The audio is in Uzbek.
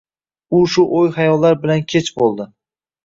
U shu oʻy-hayollar bilan kech boʻldi.